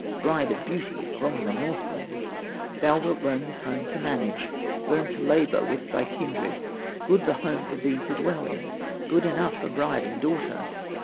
"Bride of Beauty from the Northland, Thou wilt learn this home to manage, Learn to labor with thy kindred; Good the home for thee to dwell in, Good enough for bride and daughter.